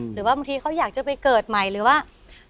หรือว่าบางทีเขาอยากจะไปเกิดใหม่หรือว่า